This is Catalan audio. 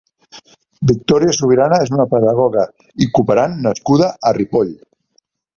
Victòria Subirana és una pedagoga i cooperant nascuda a Ripoll.